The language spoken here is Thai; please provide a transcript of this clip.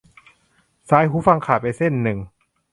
สายหูฟังขาดไปเส้นนึง :'